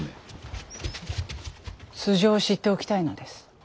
素性を知っておきたいのです